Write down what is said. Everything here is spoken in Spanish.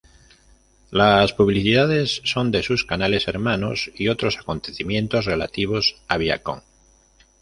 Las publicidades son de sus canales hermanos, y otros acontecimientos relativos a Viacom.